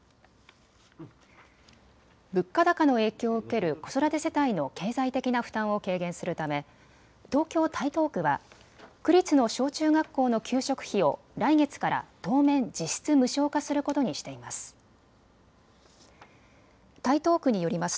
物価高の影響を受ける子育て世帯の経済的な負担を軽減するため東京台東区は区立の小中学校の給食費を来月から当面、実質無償化することにしています。